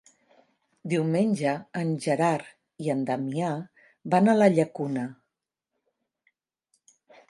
Diumenge en Gerard i en Damià van a la Llacuna.